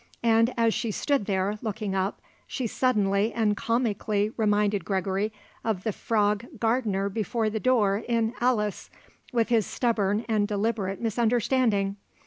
And as she stood there, looking up, she suddenly and comically reminded Gregory of the Frog gardener before the door in "Alice," with his stubborn and deliberate misunderstanding.